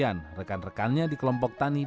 dan selamat menikmati